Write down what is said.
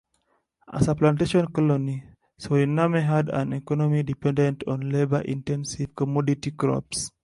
As a plantation colony, Suriname had an economy dependent on labor-intensive commodity crops.